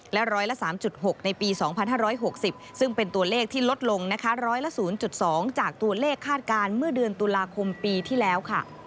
และ๑๐๓๖ในปี๒๕๖๐ซึ่งเป็นตัวเลขที่ลดลงนะคะร้อยละ๐๒จากตัวเลขคาดการณ์เมื่อเดือนตุลาคมปีที่แล้วค่ะ